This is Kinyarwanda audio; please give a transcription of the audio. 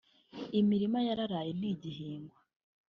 Imirima yararaye ntigihingwa